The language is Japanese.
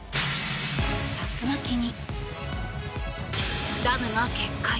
竜巻に、ダムが決壊。